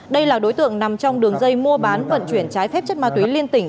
đây là đối tượng nằm trong đường dây mua bán vận chuyển trái phép chất ma túy liên tỉnh